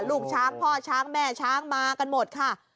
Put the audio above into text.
ลูกช้างพ่อช้างแม่ช้างมากันหมดค่ะ